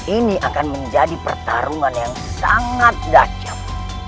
ini akan menjadi pertarungan yang sangat dacam